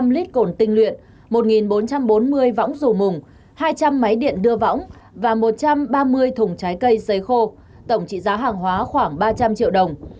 một trăm linh lít cồn tinh luyện một bốn trăm bốn mươi võng dù mồng hai trăm linh máy điện đưa võng và một trăm ba mươi thùng trái cây xấy khô tổng trị giá hàng hóa khoảng ba trăm linh triệu đồng